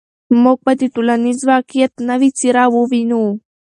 موږ به د ټولنیز واقعیت نوې څېره ووینو.